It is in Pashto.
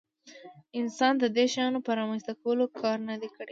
انسان د دې شیانو په رامنځته کولو کار نه دی کړی.